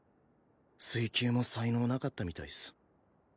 水球も才能なかったみたいっす。